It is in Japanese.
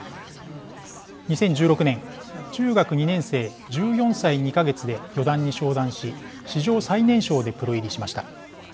２０１６年、中学２年生１４歳２か月で四段に昇段し史上最年少でプロ入りしました。